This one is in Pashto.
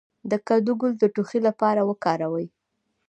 د کدو ګل د ټوخي لپاره وکاروئ